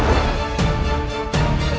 dan menangkap kake guru